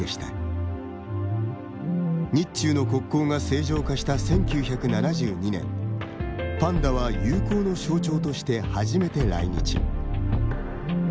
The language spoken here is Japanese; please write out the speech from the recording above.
日中の国交が正常化した１９７２年パンダは友好の象徴として初めて来日。